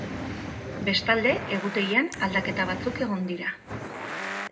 Bestalde, egutegian aldaketa batzuk egon dira.